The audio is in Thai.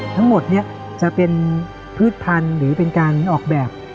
ทั้งหมดนี้จะเป็นพืชพันธุ์หรือเป็นการออกแบบ